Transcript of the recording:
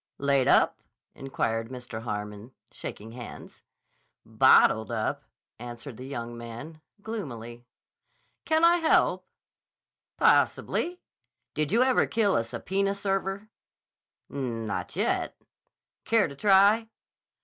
"Laid up?" inquired Mr. Harmon, shaking hands. "Bottled up," answered the young man gloomily. "Can I help?" "Possibly. Did you ever kill a subpoena server?" "Not yet." "Care to try?"